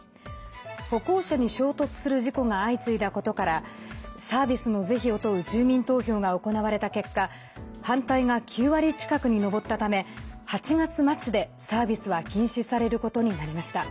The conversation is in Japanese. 歩行者に衝突する事故が相次いだことからサービスの是非を問う住民投票が行われた結果反対が９割近くに上ったため８月末でサービスは禁止されることになりました。